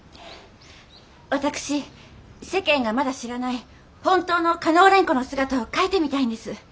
私世間がまだ知らない本当の嘉納蓮子の姿を書いてみたいんです。